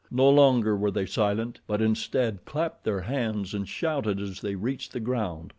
No longer were they silent, but instead clapped their hands and shouted as they reached the ground.